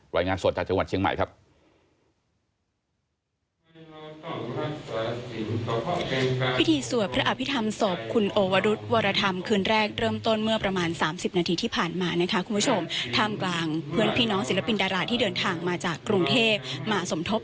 รายงานสดจากจังหวัดเชียงใหม่ครับ